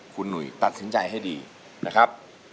คุณหนุ่ยตัดสินใจให้ดีนะครับ